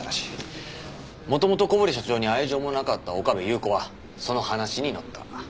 元々小堀社長に愛情もなかった岡部祐子はその話に乗った。